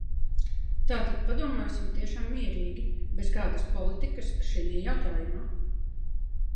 Tātad padomāsim tiešām mierīgi, bez kādas politikas šinī jautājumā!